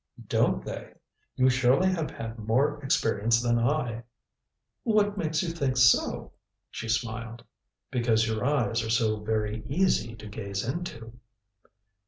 "Don't they? You surely have had more experience than I." "What makes you think so?" she smiled. "Because your eyes are so very easy to gaze into."